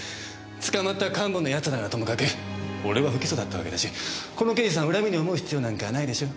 捕まった幹部の奴らならともかく俺は不起訴だったわけだしこの刑事さんを恨みに思う必要なんかないでしょ。